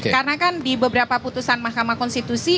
karena kan di beberapa putusan mahkamah konstitusi